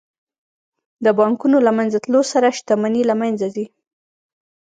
د بانکونو له منځه تلو سره شتمني له منځه ځي